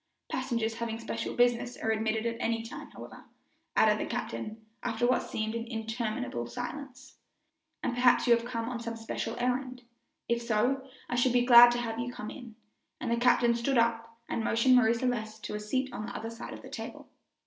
"Passengers having special business are admitted at any time, however," added the captain, after what seemed an interminable silence, "and perhaps you have come on some special errand. If so, I should be glad to have you come in," and the captain stood up and motioned Marie Celeste to a seat on the other side of the table.